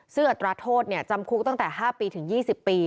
ซึ่งอัตราโทษจำคุกตั้งแต่๕ปีถึง๒๐ปี